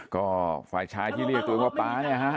ก็ฝ่ายชายที่เรียกตัวเองว่าป๊าเนี่ยฮะ